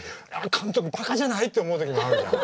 「監督バカじゃない？」って思う時もあるじゃん。